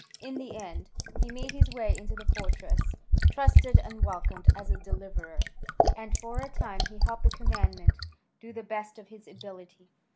In the end he made his way into the fortress, trusted and welcomed as a deliverer, and for a time he helped the commandant to the best of his ability.